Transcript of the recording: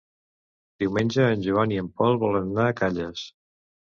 Diumenge en Joan i en Pol volen anar a Calles.